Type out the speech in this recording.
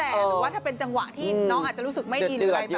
หรือว่าถ้าเป็นจังหวะที่น้องอาจจะรู้สึกไม่ดี